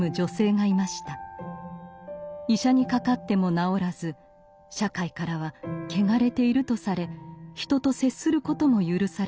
医者にかかっても治らず社会からは「けがれている」とされ人と接することも許されない。